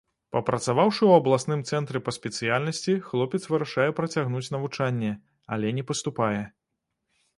Папрацаваўшы ў абласным цэнтры па спецыяльнасці, хлопец вырашае працягнуць навучанне, але не паступае.